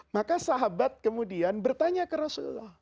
maka sahabat kemudian bertanya ke rasulullah